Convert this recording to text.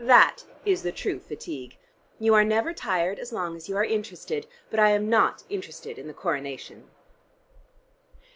That is the true fatigue. You are never tired as long as you are interested, but I am not interested in the Coronation."